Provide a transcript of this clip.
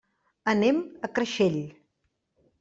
Anem a Creixell.